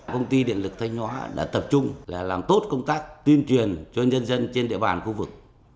công ty điện lực thanh hóa đã tập trung làm tốt công tác tuyên truyền cho nhân dân trên địa bàn khu vực